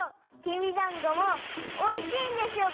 きびだんごもおいしいんですよ